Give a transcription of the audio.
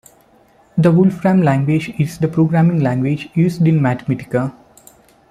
The Wolfram Language is the programming language used in Mathematica.